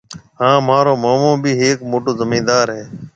هانَ مهارو مومو بي هيَڪ موٽو زميندار هيَ۔